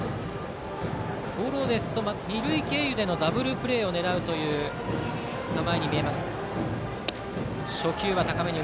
ゴロですと、二塁経由でのダブルプレーを狙う構えに見えます。